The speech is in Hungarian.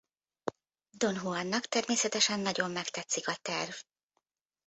Don Juannak természetesen nagyon megtetszik a terv.